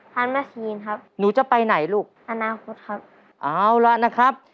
ท่านแม่ธีมีนครับหนูจะไปไหนลูกอาณาพุทธครับเอาล่ะนะครับ